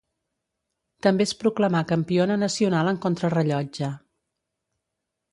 També es proclamà campiona nacional en contrarellotge.